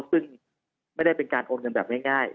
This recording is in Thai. ซึ่งไม่ได้เป็นการโอนเงินแบบง่าย